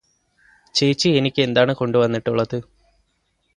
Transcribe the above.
ചേച്ചി എനിക്കെന്താണ് കൊണ്ട് വന്നിട്ടുള്ളത്